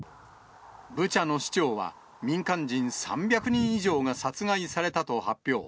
ブチャの市長は、民間人３００人以上が殺害されたと発表。